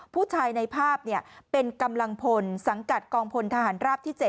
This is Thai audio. ผู้ชายในภาพเป็นกำลังพลสังกัดกองพลทหารราบที่๗